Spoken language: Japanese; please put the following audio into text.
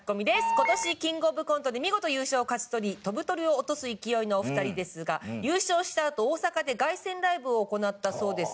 「今年キングオブコントで見事優勝を勝ち取り飛ぶ鳥を落とす勢いのお二人ですが優勝したあと大阪で凱旋ライブを行ったそうです」